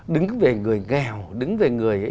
đứng về người nghèo đứng về người ấy